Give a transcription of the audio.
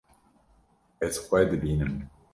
Ez xwe dibînim.